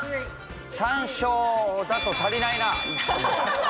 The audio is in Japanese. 山椒だと足りないな。